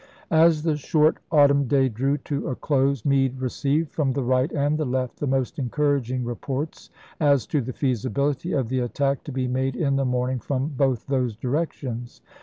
As the short autumn day drew to a chap.ix. close, Meade received from the right and the left the most encouraging reports as to the feasibility of the attack to be made in the morning from both those directions.